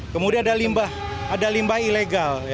kemudian ada limbah ada limbah ilegal